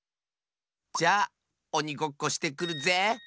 じゃおにごっこしてくるぜ！